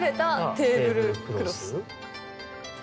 テーブルクロス？